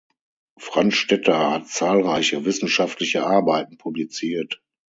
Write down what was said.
Franz Stetter hat zahlreiche wissenschaftliche Arbeiten publiziert.